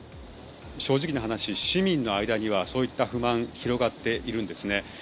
正直な話市民の間にはそういった不満が広がっているんですね。